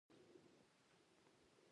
نادر شاه افشار په ډیلي برید وکړ.